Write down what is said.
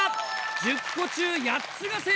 １０個中８つが正解！